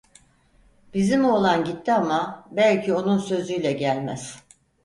Bizim oğlan gitti ama, belki onun sözüyle gelmez.